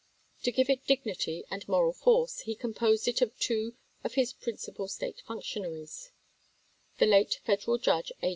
To give it dignity and moral force, he composed it of two of his principal State functionaries, the late Federal judge, A.